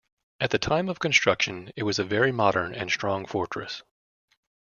At the time of construction it was a very modern and strong fortress.